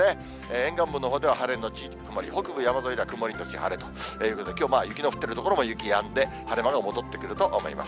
沿岸部では晴れ後曇り、北部のほうは曇り後晴れということで、きょう、雪の降っている所も雪やんで、晴れ間が戻ってくると思います。